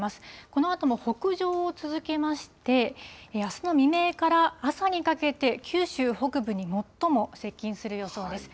このあとも北上を続けまして、あすの未明から朝にかけて、九州北部に最も接近する予想です。